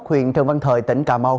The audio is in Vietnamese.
học viện trần văn thời tỉnh cà mau